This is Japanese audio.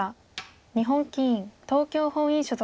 日本棋院東京本院所属。